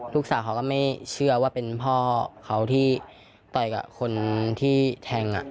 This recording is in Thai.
ลูกสาวเขาก็ไม่เชื่อว่าเป็นพ่อเขาที่ต่อยกับคนที่แทง